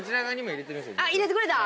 入れてくれた？